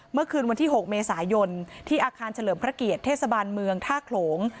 เมื่อคืนวันที่๖เมษายนที่อาคารเฉลิมพระเกียรติเทศบาลเมืองท่าโขลง